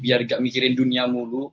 biar gak mikirin dunia mulu